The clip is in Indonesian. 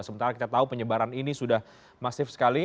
sementara kita tahu penyebaran ini sudah masif sekali